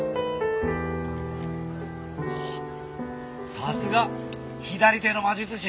さすが左手の魔術師。